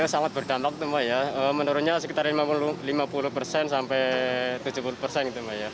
sangat berdantak menurutnya sekitar lima puluh persen sampai tujuh puluh persen